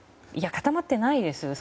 固まってないです。